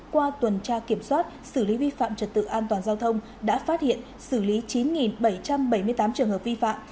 qua tuần tra kiểm soát xử lý vi phạm trật tự an toàn giao thông đã phát hiện xử lý chín bảy trăm bảy mươi tám trường hợp vi phạm